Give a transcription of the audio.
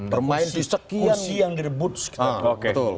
permainan sekian kursi yang di debut